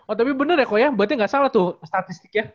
oh tapi bener ya kok ya berarti ga salah tuh statistiknya